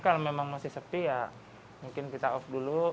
kalau memang masih sepi ya mungkin kita off dulu